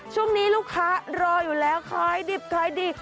ช่วงนี้ลูกค้ารออยู่แล้วขายดิบขายดี